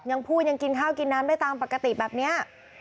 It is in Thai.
ยังพูดยังกินข้าวกินน้ำได้ตามปกติแบบนี้